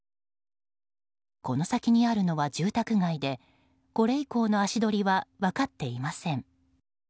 この先にあるのは住宅街でこれ以降の足取りは分かっていません。